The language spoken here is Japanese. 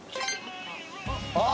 あっ！